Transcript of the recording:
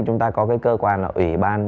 chúng ta có cái cơ quan là ubnd tp